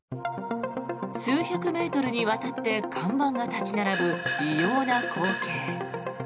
数百メートルにわたって看板が立ち並ぶ異様な光景。